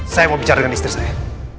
saya mau bicara dengan istri saya